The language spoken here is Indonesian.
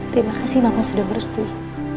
terima kasih mama sudah harus dewi